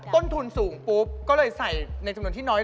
ทุนทุนสูงต้นทุนพลังสมุดถนนที่น้อยลง